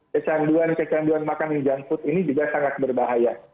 kecanduan kecanduan makanan junk food ini juga sangat berbahaya